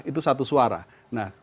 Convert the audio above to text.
itu satu suara nah